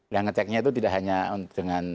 dan ngeceknya itu tidak hanya dengan